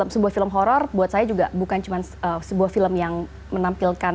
sebuah film horror buat saya juga bukan cuma sebuah film yang menampilkan